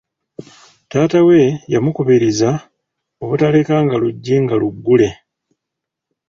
Taata we yamukubiriza obutalekanga luggi nga luggule.